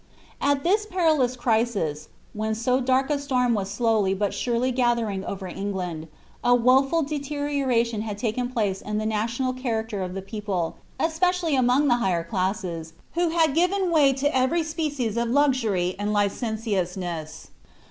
At this perilous crisis, when so dark a storm was slowly but surely gathering over England, a woful deterioration had taken place in the national character of the people, especially among the higher classes, who had given wny to every species of luxury and licentiousness.